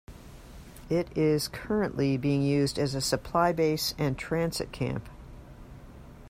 It is currently being used as a supply base and transit camp.